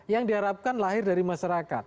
yang diharapkan lahir dari masyarakat